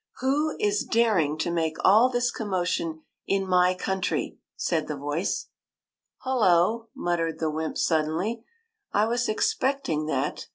'' Who is daring to make all this commotion in my country ?" said the voice. WENT TO THE MOON 183 "Hullo!" muttered the wymp, suddenly; " I was expecting that.